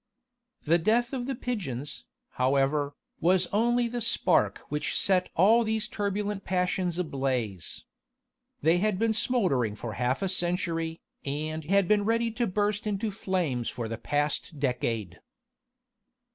The death of the pigeons, however, was only the spark which set all these turbulent passions ablaze. They had been smouldering for half a century, and had been ready to burst into flames for the past decade.